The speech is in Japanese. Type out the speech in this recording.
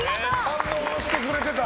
反応してくれてた。